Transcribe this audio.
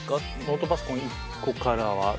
ノートパソコン１個からは。